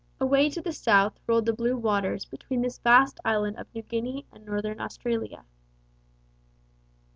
Away to the south rolled the blue waters between this vast island of New Guinea and Northern Australia.